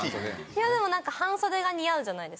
いやでもなんか半袖が似合うじゃないですか。